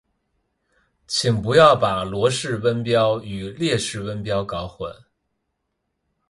请不要把罗氏温标与列氏温标搞混。